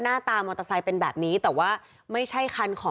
ส่วนเรื่องทางคดีนะครับตำรวจก็มุ่งไปที่เรื่องการฆาตฉิงทรัพย์นะครับ